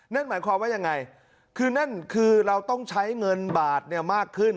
นั่นหมายความว่ายังไงคือนั่นคือเราต้องใช้เงินบาทมากขึ้น